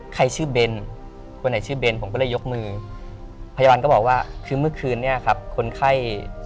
ใครชื่อเบนคนไหนชื่อเบนผมก็เลยยกมือพยาบาลก็บอกว่าคือเมื่อคืนนี้ครับคนไข้